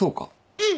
うん。